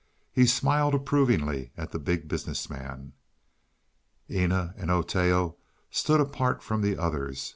He smiled approvingly at the Big Business Man. Eena and Oteo stood apart from the others.